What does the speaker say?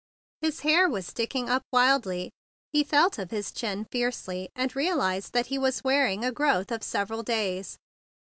His hair was stick¬ ing up wildly, and he felt of his chin fiercely, and realized that he was wear¬ ing a growth of several days.